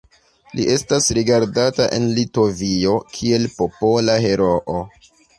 Li estas rigardata en Litovio kiel Popola Heroo.